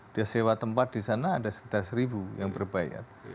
dia sewa tempat di sana ada sekitar seribu yang berbayar